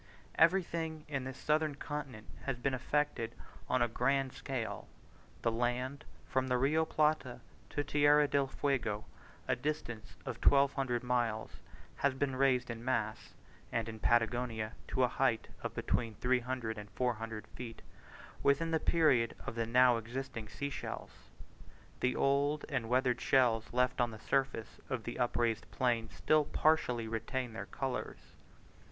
Everything in this southern continent has been effected on a grand scale: the land, from the Rio Plata to Tierra del Fuego, a distance of 1200 miles, has been raised in mass (and in Patagonia to a height of between 300 and 400 feet), within the period of the now existing sea shells. The old and weathered shells left on the surface of the upraised plain still partially retain their colours.